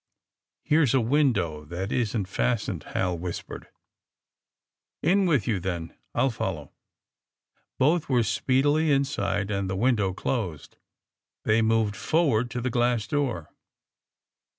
^^ Here's a window that isn't fastened," Hal whispered. *^ In with you, then. I '11 follow. '' Both were speedily inside, and the window closed. They moved forward to the glass door.